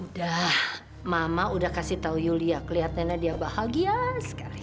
udah mama udah kasih tahu yulia kelihat nana dia bahagia sekali